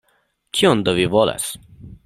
Kion do vi volas?